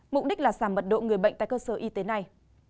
mục đích là giảm mật độ người bệnh tại cơ sở y tế này